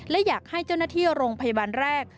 และอยากให้เจ้าหน้าที่โรงพยาบาลแรก